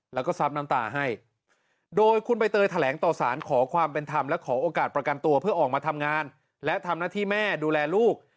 แล้วก็ซับน้ำตาให้โดยคุณใบเตยแถลงต่อสารขอความเป็นธรรมและขอโอกาสประกันตัวเพื่อออกมาทำงานและทำหน้าที่แม่ดูแลลูก